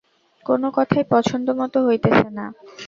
কোনো কথাই পছন্দমতো হইতেছে না।